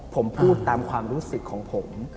ผมพูดตามความรู้สึกของผม